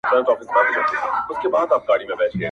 په مجلس کي به یې وویل نظمونه؛